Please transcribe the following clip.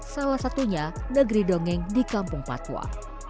salah satunya negeri dongeng di kampung patwa